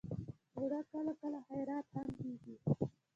اوړه کله کله خیرات هم کېږي